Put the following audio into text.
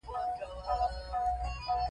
پرته له یخه ژیړي او د پښو او لاسو له چاودو.